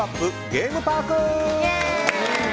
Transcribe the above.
ゲームパーク！